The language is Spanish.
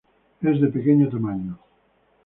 Es de pequeño tamaño.